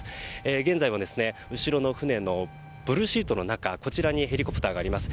現在も後ろの船のブルーシートの中にヘリコプターがあります。